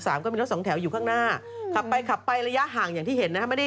สามก็มีรถสองแถวอยู่ข้างหน้าขับไปขับไปและย่าห่างอย่างที่เห็นเล่า